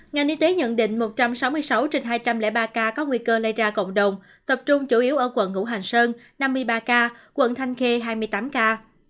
ngành y tế nhận định một trăm sáu mươi sáu trên hai trăm linh ba ca có nguy cơ lây ra cộng đồng tập trung chủ yếu ở quận ngũ hành sơn năm mươi ba ca quận thanh khê hai mươi tám ca